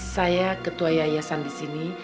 saya ketua yayasan di sini